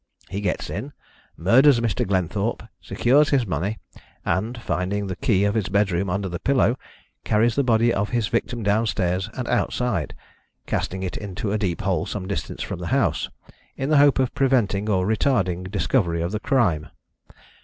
He gets in, murders Mr. Glenthorpe, secures his money, and, finding the key of his bedroom under the pillow, carries the body of his victim downstairs, and outside, casting it into a deep hole some distance from the house, in the hope of preventing or retarding discovery of the crime.